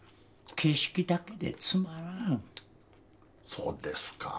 そうですか？